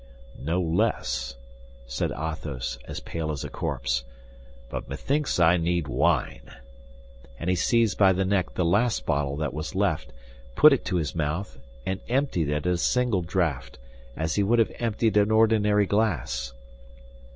"No less," said Athos, as pale as a corpse. "But methinks I need wine!" and he seized by the neck the last bottle that was left, put it to his mouth, and emptied it at a single draught, as he would have emptied an ordinary glass.